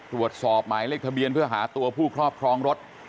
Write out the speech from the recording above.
ตรวจสอบหมายเลขทะเบียนเพื่อหาตัวผู้ครอบครองรถ